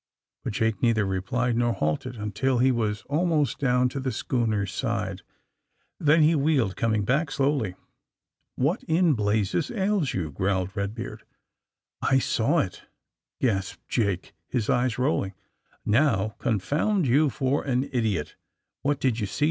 But Jake neither replied nor halted, until he was almost down to the schooner's side. Then he wheeled, coming back, slowly. ^'What in blazes ails you?" growled Eed beard. I saw it," gasped Jake, his eyes rolling. '*Now, confound you for an idiot! What did you see?"